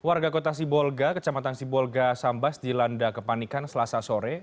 warga kota sibolga kecamatan sibolga sambas dilanda kepanikan selasa sore